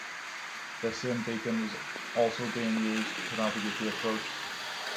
This same beacon was also being used to navigate the approach.